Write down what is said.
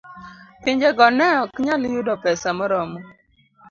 Pinjego ne ok nyal yudo pesa moromo